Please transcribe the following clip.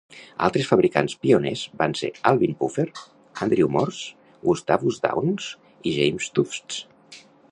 Altres fabricants pioners van ser Alvin Puffer, Andrew Morse, Gustavus Dows i James Tufts.